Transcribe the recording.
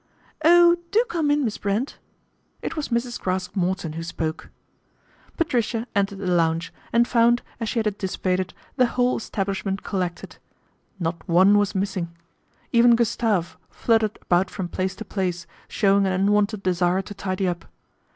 " Oh, do come in, Miss Brent !" It was Mrs. Craske Morton who spoke. Patricia entered the lounge and found, as she had anticipated, the whole establishment col lected. Not one was missing. Even Gustave fluttered about from place to place, showing an unwonted desire to tidy up.